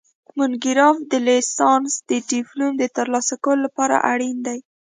مونوګراف د لیسانس د ډیپلوم د ترلاسه کولو لپاره اړین دی